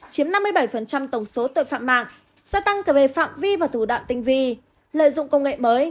chiếm năm mươi bảy tổng số tội phạm mạng gia tăng cả về phạm vi và thủ đoạn tinh vi lợi dụng công nghệ mới